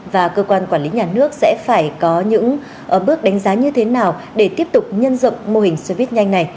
và cơ quan quản lý nhà nước sẽ phải có những bước đánh giá như thế nào để tiếp tục nhân rộng mô hình xe buýt nhanh này